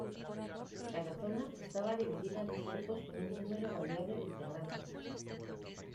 Cada zona estaba dividida en dos grupos con número variable de integrantes.